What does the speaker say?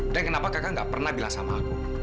dan kenapa kakak nggak pernah bilang sama aku